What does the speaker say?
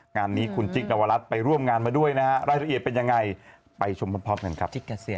งานนี้คุณจิ๊กนวรัตน์ไปร่วมงานมาด้วยนะครับ